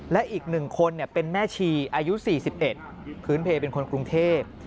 และอีกหนึ่งคนนี่เป็นแม่ชีอายุ๔๑พื้นเผยเป็นคนกรุงเทพฯ